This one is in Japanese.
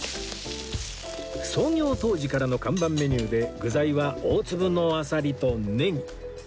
創業当時からの看板メニューで具材は大粒のアサリとネギ